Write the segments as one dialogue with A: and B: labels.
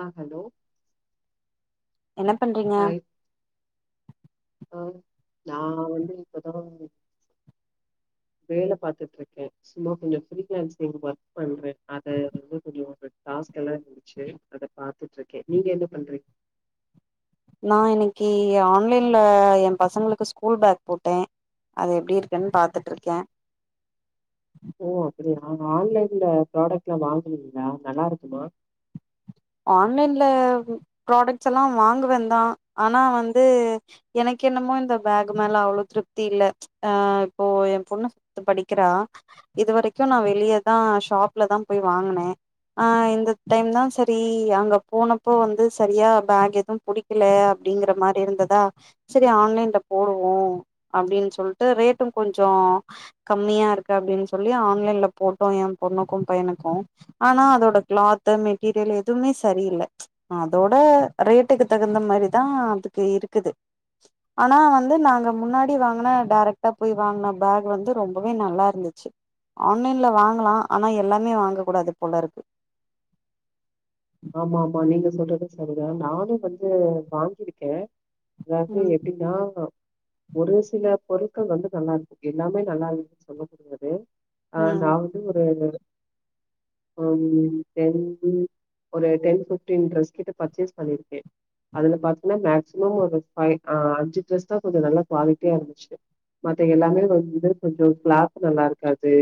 A: ஆ hello
B: என்ன பண்றீங்க?
A: Hi ஆ நா வந்து இப்பதா வேல பாத்துட்ருக்கே சும்மா கொஞ்ச ஃப்ரீலான்சிங் ஒர்க் பண்றே. அத வந்து கொஞ்சோ ஒரு டாஸ்க் எல்லா இருந்துச்சு அத பாத்துட்ருக்கே. நீங்க என்ன பண்றீங்க?
B: நா இன்னக்கி ஆன்லைன்ல என் பசங்களுக்கு ஸ்கூல் பேக் போட்டே. அது எப்டி இருக்குன்னு பாத்துட்ருக்கே.
A: ஓ அப்பிடியா ஆன்லைன்ல ப்ராடக்ட் எல்லா வாங்குவீங்களா நல்லா இருக்குமா?
B: ஆன்லைன்ல ம் ப்ராடக்ட்ஸ் எல்லா வாங்குவந்தா ஆனா வந்து எனக்கு என்னமோ இந்த பேக் மேல அவ்ளோ திருப்தி இல்ல. ஆ இப்போ ஏன் பொண்ணு ஃபிப்த் படிக்கிறா. இது வரைக்கு நா வெளியதா ஷாப்லதா போய் வாங்குனே. ஆ இந்த டைம்தா செ ரி அங்க போனப்போ வந்து சரியா பேக் எதும் புடிக்கல அப்டிங்கற மாரி இருந்துதா சரி ஆன்லைன்ல போடுவோ அப்டின்னு சொல்ட்டு ரேட்டு கொஞ்சோ கம்மியா இருக்கு அப்டின்னு சொல்லி ஆன்லைன்ல போட்டோ ஏன் பொண்ணுக்கு பையனுக்கு ஆனா அதோட கிளாத்து மெட்டீரியலு எதுமே சரியில்ல. அதோட ரேட்டுக்கு தகுந்த மாரிதா அதுக்கு இருக்குது. ஆனா வந்து நாங்க முன்னாடி வாங்குன டேரக்ட்டா போய் வாங்குன பேக் வந்து ரொம்பவே நல்லா இருந்துச்சு. ஆன்லைன்ல வாங்கலா ஆனா எல்லாமே வாங்க கூடாது போல இருக்கு.
A: அதுவு சரிதா நானு வந்து வாங்கிருக்கே அதாவ்து
B: ம்
A: எப்டின்னா ஒரு சில பொருட்கள் வந்து நல்லாருக்கும் எல்லாமே நல்லாருக்குன்னு சொல்ல முடியாது ஆ
B: ம்
A: நா வந்து ஒரு ஆம் டெந்து ஒரு டென் பிப்டின் டிரஸ் கிட்ட பர்ச்சேஸ் பண்ணிருக்கே அதுல பாத்தீனா மேக்ஸிமம் ஒரு ஃபைவ் ஆ அஞ்சு டிரஸூ தா கொஞ்சோ நல்லா குவாலிட்டியா இருந்துச்சு மத்த எல்லாமே வந்து கொஞ்சோ கிளாத் நல்லாருக்காது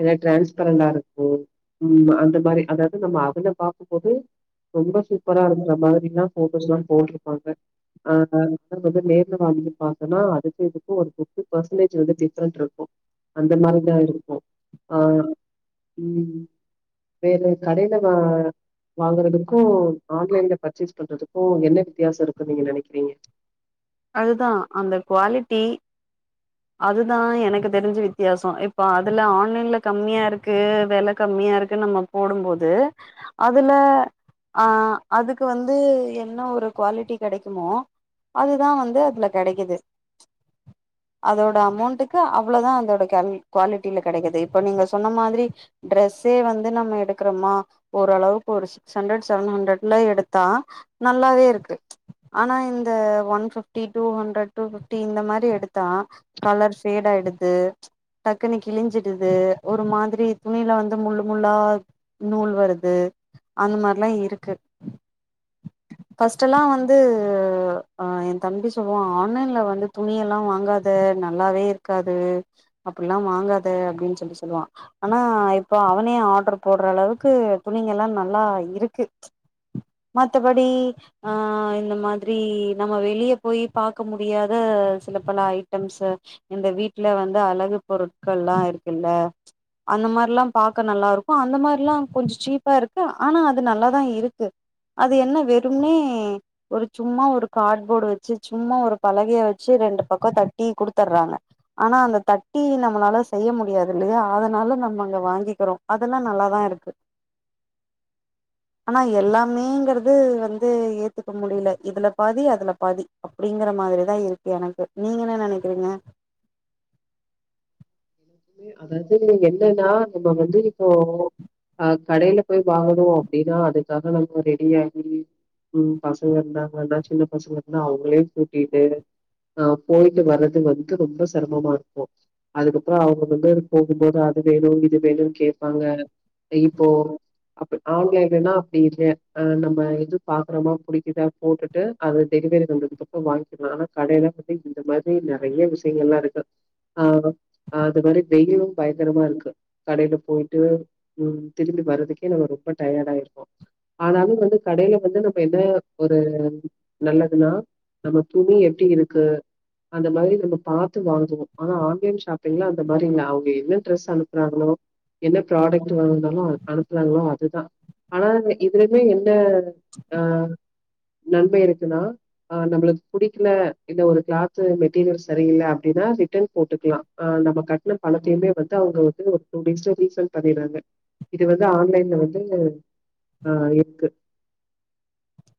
A: இல்ல டிரான்ஸ்பரண்டாருக்கும் ம் அந்த மாரி அது அது நம்ம அதுல பாப் இப்போது ரொம்ப சூப்பரா இருக்கற மாரி லா போட்டோஸ்லா போட்டுருப்பாங்க ஆ அது வந்து நேர்ல வாங்கி பத்தனா அதுக்கு இதுக்கும் ஒரு ஃபிஃப்டி ஃபசன்ட் ஸ்டேஜ் வந்து டிஃபரண்ட் இருக்கும் அந்த மாரி தா இருக்கும் ஆ ம் வேறு கடேல வா வாங்குறதுக்கும் ஆன்லைன்ல பர்ச்சேஸ் பண்றதுக்கும் என்ன வித்தியாசோ இருக்கு நீங்க நனைக்றீங்க
B: அதுதா அந்த குவாலிட்டி அதுதா எனக்கு தெரிஞ்சு வித்தியாசோ இப்போ அதுல ஆன்லைன்ல கம்மியா இருக்கு வெல கம்மியாருக்குன் நம்ம போடும்போது அதுல ஆ அதுக்கு வந்து என்ன ஒரு குவாலிட்டி கெடைக்குமோ அது இதா வந்து அதுல கெடைக்குது அதோட அமெண்டுக்கு அவ்ளோ தா அதோட கேல்வி குவாலிட்டில கெடைக்குது இப்ப நீங்க சொன்ன மாதிரி டிரஸே வந்து நம்ம எடுக்றமா ஓரளவுக் ஒரு சிக்ஸ் ஹன்ரெட் செவன் ஹன்ரெட்ல எடுத்தா நல்லாவே இருக்கு ஆனா இந்த one fifty two hundred two fifty இந்த மாரி எடுத்தா கலர் ஃபேடு ஆய்டுது டக்குனு கிழிஞ்சிடுது ஒரு மாதிரி துணில வந்து முள்ளு முள்ளா நூல் வருது அந்த மாரிலா இருக்கு ஃபர்ஸ்ட் எல்லா வந்து தம்பி சொல்வா ஆன்லைன்ல வந்து துணியெல்லா வாங்காத நல்லாவே இருக்காது அப்டிலா வாங்காத அப்டின் சொல்லி சொல்லுவா அனா இப்போ அவனே ஆர்டர் போடுற அளவுக்கு துணிங்க எல்லா நல்லா இருக்கு மத்தபடி ஆ இந்த மாதிரி நம்ம வெளிய போய் பாக்க முடியாத சில பல ஐட்டம்ஸூ இந்த வீட்ல வந்து அழகு பொருட்கள் லா இருக்குல்ல அந்த மாரிலா பாக்க நல்லாருக்கும் அந்த மாரிலா கொஞ் சீப்பாருக்கு ஆனா அது நல்லாதா இருக்கு அது என்ன வெறும்னே ஒரு சும்மா ஒரு கார்ட்போர்டு வச் சு சும்மா ஒரு பலகைய வச்சு ரெண்டு பக்கோ தட்டி குடுத்தறாங்க ஆனா அந்த தட்டி நம்மளால செய்ய முடியாது இல்லையா அதனால நம்ம அங்க வாங்கிக்கிறோ அதெல்லா நல்லா தா இருக்கு ஆனா எல்லாமேங்கறது வந்து ஏத்துக்க முடில இதுல பாதி அதுல பாதி அப்டிங்கற மாரி தா இருக்கு எனக்கு நீங்க என்ன நனைக்கிறீங்க
A: ம் அதாது என்னனா நம்ம வந்து இப்போ ஆ கடேல போய் வாங்கணும் அப்டினா அதுக்காக நம்ம ரெடியாகி ம் பசங்க இருந்தாங்கன்னா சின்ன பசங்க இருந்தா அவுங்களயு கூட்டிட்டு ஆ போய்ட்டு வரது வந்து ரொம்ப சிரமமா இருக்கும் அதுக்கப்றோ அவுங்க வந்து போகும் போது அது வேணு இது வேணும்னு கேட்பாங்க இப்போ அப்பு ஆன்லைன்லனா அப்டி இல்ல அ நம்ப எது பாக்றமோ புடிக்குதா போட்டுட்டு அது டெலிவரி வந்ததுக்கப்போ வாங்கிக்கிலா ஆனா கடேல வந்து இந்த மாதிரி நெறைய விஷ்யங்கள் லா இருக்கு ஆ ஆ அது மாரி வெயிலும் பயங்கரமாருக்கு கடேல போய்ட்டு ம் திரும்பி வாரத்துக்கே நம்ம ரொம்ப டயடாமய்டுவோ ஆனாலும் வந்து கடேல வந்து நம்ம என்ன ஒரு நல்லதுனா நம்ம துணி எப்டி இருக்கு அந்த மாதிரி நம்ம பாத்து வாங்குவோ ஆனா ஆன்லைன் ஷாப் பிங்ளா அந்த மாரி இல்ல அவுங்க என்ன ட்ரெஸ் அனுப்புறாங்ளோ என்ன ப்ராடக்ட் வாங்னாலும் அனுப்றாங்ளோ அதுதா ஆனா இதுலுமே என்ன ஆ நன்மை இருக்குன்னா அ நம்ளுக் புடிக்கல இந்த ஒரு கிளாத்து மெட்டீரியல் செரியில்ல அப்டினா ரிட்டன் போட்டுக்லா ஆ நம்ம கட்ன பணத்திமே வந்து அவுங்க வந்து ஒரு டூ டேஸ்ல ரீஃபைன் பண்ணிறாங்க இது வந்து ஆன்லைன்ல வந்து ஆ இருக்கு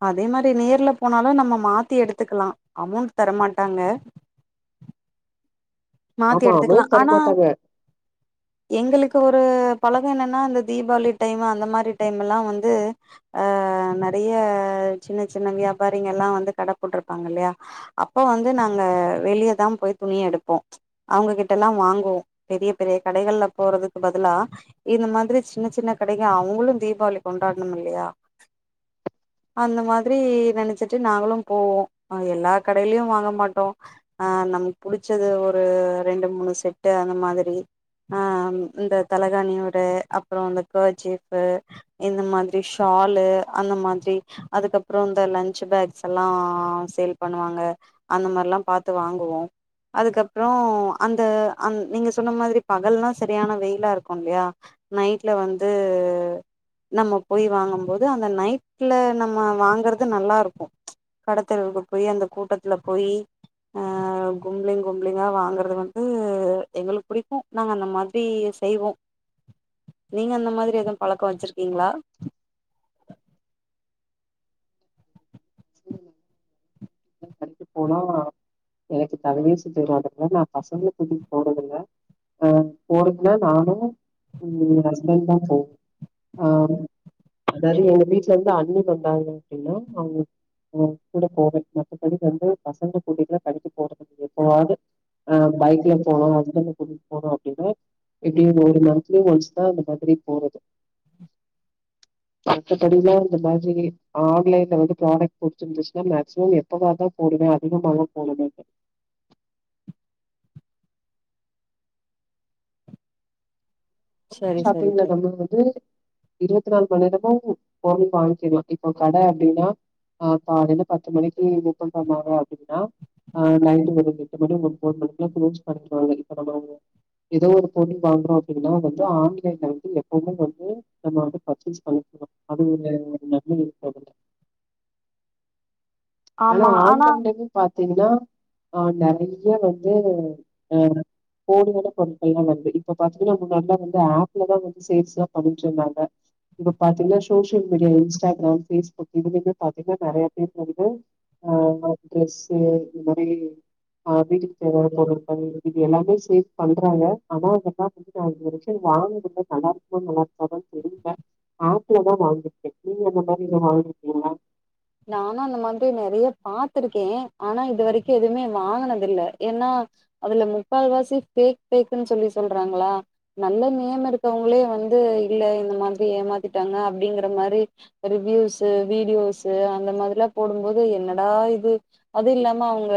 B: அதே மாரி நேர்ல போனாலும் நம்ம மாத்தி எடுத்துக்லா அமௌண்ட் தரமாட்டாங்க மாத்தி
A: ஆமா
B: எடுத்துக்கலா
A: அமௌண்ட்
B: ஆனா
A: தரமாட்டாங்க
B: எங்களுக்கு ஒரு பழக என்னென்னா இந்த தீபாளி டைமு அந்த மாரி டைமுல்லா வந்து ஆ நறைய சின்ன சின்ன வியாபாரிங்கெல்லா வந்து கட போட்ருப்பாங்கல்யா அப்போ வந்து நாங்க வெளிய தா போய் துணி எடுப்போ அவுங்ககிட்டலா வாங்குவோ பெரிய பெரிய கடைகெல்ல போறதுக்கு பதிலா இந்த மாதிரி சின்ன சின்ன கடைக அவுங்ளும் தீபாவளி கொண்டாடணும் இல்லியா அந்த மாதிரி நனைச்சிட்டு நாங்ளும் போவோ ஆ எல்லா கடைலியும் வாங்க மாட்டோ அ நமக் புடிச்சது ஒர் ஒரு ரெண்டு மூணு செட்டு அந்த மாதிரி அ இந்த தலகாணி ஒர அப்றோ அந்த கர்ஷிப்பு இந்த மாதிரி ஷாலு அந்த மாதிரி அதுக்கப்றோ இந்த லன்ச் பேக்ஸேல்லா சேல் பண்ணுவாங்க அந்த மாரிலா பாத்து வாங்குவோ அப்றோ அந்த அந் நீங்க சொன்ன மாதிரி பகல்னா செரியான வெயிலா இருக்கும் இல்யா நைட்ல வந்து நம்ம போய் வாங்கும் போது அந்த நைட்ல நம்ம வாங்றது நல்லாருக்கும் கடத்தெருக்கு போயி அந்த கூட்டத்துல போயி அ கும்பிளிங் கும் பிள்ளைங்லா வாங்கறது வந்து எங்ளுக் புடிக்கும் நாங்க அந்த மாதிரி செய்வோ நீங்க அந்த மாதிரி எதுவும் பழக்கம் வச்சிருக்கீங்ளா
A: கரண்டு போனா எனக்கு தலயே சுத்திரு அதுக்கு தா நா பசங்ள கூட்டிட்டு போறதில்ல ஆ போறதுனா நானும் ம் ஹஸ்பண்ட் தா போவோ ஆ அதாவது எங்க வீட்ல இருந்து அண்ணி வந்தாங்க அப்டினா அவு அவுங்க கூட போறது மத்த படி வந்து பசங்க கூட்டிட்லா கடைக்கு போறதில்ல எப்பாவது ஆ பைக்ல போனோ ஹஸ்பண்ட கூட்டிட்டு போனோ அப்டின்னா எப்டியு ஒரு மந்த்லி ஒன்ஸ் தா அந்த மாரி போறது மத்தபடிலா இந்த மாதிரி ஆன்லைன் இது வந்து ப்ராடக்ட் புடிச்சிருந்துச்சுன்னா மேக்சிமம் எப்பவாது தா போடுவ அதிகமாலா போடமாட்ட ஆன்லைன்
B: சரி சரி
A: ஷாப்பிங்ல
B: சரி
A: நம்ம வந்து இருவத்தி நாலு மணி நேரமும் போயி வாங்கிலா இப்போ கட அப்டின்னா ஆ காலேல பத்து மணிக்கு ஓப்பன் பண்ணுவாங்க அப்டினா ஆ நைட்டு ஒரு எட்டு மணி ஒரு ஒம்போது மணிக்லா பிரிச்சு பண்ணுவாங்க இப்ப நம்ம வந்து ஏதோ ஒரு பொடி வாங்றோ அப்டின்னா வந் தோ ஆன்லைன்ல வந்து எப்பவுமே வந்து நம்ம வந்து பர்ச்சேஸ் பண்ணிக்கணும் அது ஒரு நன்மை இருக்கு அதுல ஆனா ஆன்லைன்ல இருந்து பாத் பாத்தீங்னா ஆ நறைய வந்து அ போலியான பொருட்கள் லா வந்து இப்போ பாத்தீங்னா முன்னாடி லா வந்து ஆப்ல தா வந்து சேல்ஸ்லா பண்ணிட்டிருந்தாங்க இப்ப பாத்தீங்னா சோசியல் மீடியா இன்ஸ்டாகிராம் பேஸ்புக் இதுலிமே பாத்தீங்னா நறைய பேர் வந்து ஆ ஆ அந்த ட்ரெஸு இந்த மாரி ஆ வீட்டுக்கு தேவையான பொருகள் இது எல்லாமே சேவ் பண்றாங்க ஆனா அங்கெல்லா வந்து நா விஷ்யோ வாங்குற நல்லா இருக்குமா நல்லா இருக்கான்னு தெரியுல ஆப்லதா வாங்கிருக்க நீங்க அந்த மாரி இத வாங்கிருக்கீங்ளா
B: நானும் அந்த மாதிரி நிறைய பாத்திருக்கே ஆனா இது வரைக்கும் எதுவுமே வாங்கனதில்ல ஏன்னா அதுல முக்கால்வாசி பேக் பேக்னு சொல்லி சொல்றாங்களா நல்ல நேம் இருக்கவங்களே வந்து இல்ல இந்த மாதிரி ஏமாத்திட்டாங்க அப்டிங்கற மாரி ரிவிவ்ஸூ வீடியோஸ் இது அந்த மாதிரிலா போடும்போது என்னடா இது அது இல்லாம அவுங்க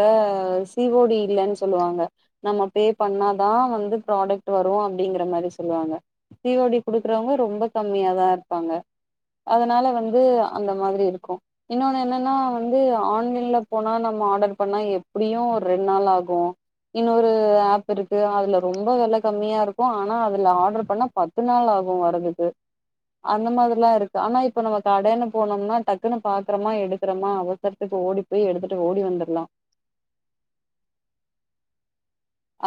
B: சி ஓ டி இல்லனு சொல்லுவாங்க நம்ம பே பண்ணாதா வந்து ப்ராடக்ட் வரும் அப்டிங்ற மாரி சொல்லுவாங்க சி ஓ டி குடுக்றவங்க ரொம்ப கம்மியா தா இருப்பாங்க அதனால வந்து அந்த மாதிரி இருக்கும் இன்னொன்னு என்னன்னா வந்து ஆன்லைன்ல போனா நம்ம ஆர்டர் பண்ணா எப்டியும் ஒரு ரெண் நாள் ஆகும் இன்னொரு ஆப் இருக்கு அதுல ரொம்ப வில கம்மியா இருக்கும் ஆனா அதுல ஆர்டரு பண்ணா பத்து நாளாகும் வர்றதுக்கு அந்த மாதிரில்லா இருக்கு ஆனா இப்ப நம்ம கடனு போனோம்னா டக் டக்குன்னு பாக்குறமா எடுக்றமா அவசரத்துக்கு ஓடி போய் எடுத்துட்டு ஓடி வந்துர்லா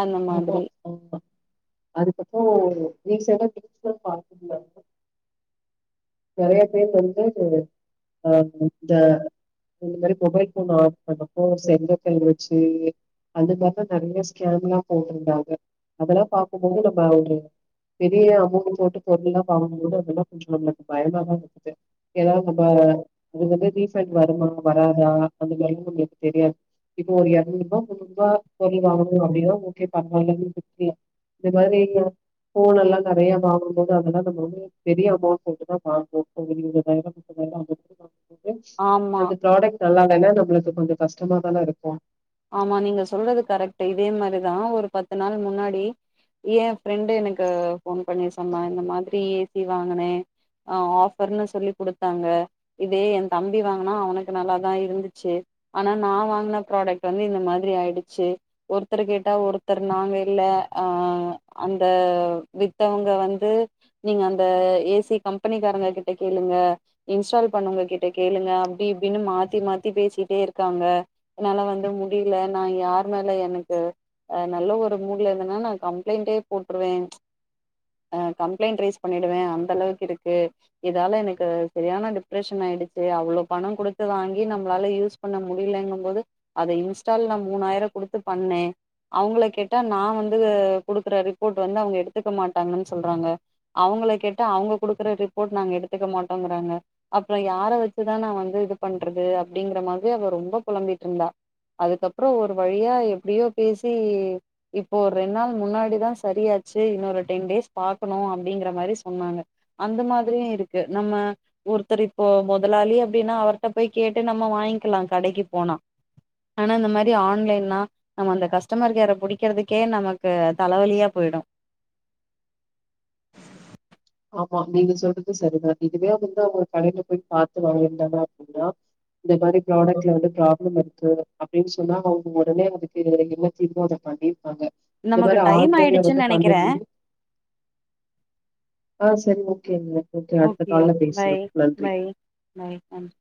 B: அந்த
A: ஆமா
B: மாதிரி
A: ஆ அதுக்கப்றோ ரீசன்டா பிஸ்னஸ் பார்ட்டில இருக்கு நெறைய பேர் வந்து அ இந்த இந்த மாரி மொபைல் ஃபோன் ஆடர் பண்ணப்போ செங்கக்கல் வச்சு அந்த மாரி‌தா நெறைய ஸ்கேம்லா போட்ருந்தாங்க அதல்லா பாக்கும்போது நம்ம ஒரு பெரிய அமௌண்ட் போட்டு பொருள்லா வாங்கும்போது அதெல்லா கொஞ்சொ நம்ளுக் பயமா தா இருக்குது எனா நம்ப அது வந்து ரீஃபண்ட் வருமா வராதா அந்த மாரி நம்மளுக் தெரியாது இப்ப ஒரு எரநூறுபா முன்னூறுபா பொருள் வாங்குனொ அப்டின்னா ஓகே பரவால்லன் விட்றலா இந்த மாரி ஃபோன் எல்லா நெறைய வாங்கும்போது அதெல்லா நம்ம வந்து பெரிய அமௌண்ட் போட்டு தா வாங்குவோ ஒரு இருவதாயிரொ முப்பதாயிரொ [unintelligible] போட்டு
B: ஆமா
A: அந்த ப்ராடக்ட் நல்லா இல்லன்னா நம்ளுக்கு கொஞ்சொ கஷ்டமாதானே இருக்கு
B: ஆமா நீங்க சொல்றது கரெக்ட்டு‌இதே மாரிதா ஒரு பத்து நாள் முன்னாடி எ ஃப்ரெண்டு எனக்கு ஃபோன் பண்ணி சொன்னா இந்த மாதிரி ஏ சி வாங்குனே அ ஆஃபர்னு சொல்லி குடுத்தாங்க இதே எ தம்பி வாங்குனா அவனுக்கு நல்லாதா இருந்துச்சு ஆனா நா வாங்குன ப்ராடக்ட் டு வந்து இந்த மாதிரி ஆயிடுச்சு ஒருத்தர் கேட்டா ஒருத்தர் நாங்க இல்ல ஆ அந்த வித்தவுங்க வந்து நீங்க அந்த ஏ சி கம்பெனிக்காரங்க கிட்ட கேளுங்க இன்ஸ்டால் பண்ணவ்ங்க கிட்ட கேளுங்க அப்டி இப்டினு மாத்தி மாத்தி பேசிட்டே இருக்காங்கா என்னால வந் து முடில நா யார் மேல எனக்கு அ நல்ல ஒரு மூட்ல இருந்தனா நா கம்ப்ளைண்ட்டே போட்ருவே அ கம்ப்ளைண்ட் ரைஸ் பண்ணிடுவே அந்த அளவுக்கு இருக்கு இதால எனக்கு சரியான டிப்ரஷன் ஆயிடுச்சு அவ்ளொ பண குடுத்து வாங்கி நம்ளால யூஸ் பண்ண முடிலங்கும் போது அத இன்ஸ்டால் நா மூணாயிர குடுத்து பண்ணே அவுங்கள கேட்டா நா வந்து குடுக்குற ரிப்போர்ட் வந்து அவுங்க எடுத்துக்க மாட்டாங்கன் சொல்றாங்க அவுங்கள கேட்டா அவுங்க குடுக்குற ரிப்போர்ட் நாங்க எடுத்துக்க மாட்டோங்கிறாங்க அப்றொ யார வச்சுதா நா வந்து இது பண்றது அப்டிங்கிற மாதிரி அவ ரொம்ப பொலம்பிட்ருந்தா அதுக்கப்புறொ ஒரு வழியா எப்டியோ பேசி இப்போ ஒரு ரெண் நாள் முன்னாடிதா சரியாச்சு இன்னொரு டென் டேஸ் பாக்கணு அப்டிங்கிற மாரி சொன்னாங்க அந்த மாதிரியு இருக்கு நம்ம ஒருத்தர் இப்போ மொதலாளி அப்டின்னா அவர்ட போய் கேட்டு நம்ம வாங்க்கலா கடைக்கு போனா ஆனா இந்த மாரி ஆன்லைன்னா நம்ம அந்த கஸ்டமர் கேர புடிக்கிறதுக்கே நமக்கு தலவலியா போயிடு
A: ஆமா நீங்க சொல்றது சரிதா இதுவே வந்து அவுங்க கடைல போய் பாத்து வாங்கிருந்தாங்க அப்டின்னா இந்த மாரி ப்ராடக்ட்ல வந்து ப்ராப்ளம் இருக்கு அப்டின் சொன்னா அவுங்க ஒடனே அதுக்கு என்ன தீர்வோ அத பண்ணி ருவாங்க இந்த
B: நமக்கு
A: மாரி
B: டைம்
A: ஆன்லைன்ல வந்து
B: ஆயிடுச்சுன்னு நெனைக்கிறே
A: பண்ணுமோ ஆ சரி ஓகேங்க அடுத்த
B: ஓகே
A: கால்ல பேசலா
B: பாய்
A: நன்றி
B: பாய் பாய் நன்றி